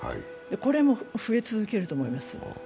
これも増え続けると思います。